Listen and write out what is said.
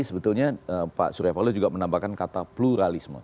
sebetulnya pak surya paloh juga menambahkan kata pluralisme